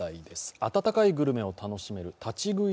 温かいグルメを楽しめる立ち食い